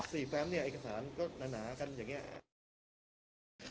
แฟมเนี่ยเอกสารก็หนากันอย่างเงี้ย